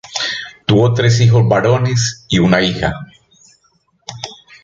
Tuvo tres hijos varones y una hija.